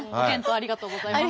ありがとうございます。